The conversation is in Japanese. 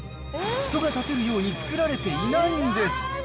人が立てるように作られていないんです。